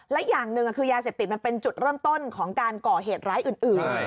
และอย่างหนึ่งคือยาเสพติดมันเป็นจุดเริ่มต้นของการก่อเหตุร้ายอื่น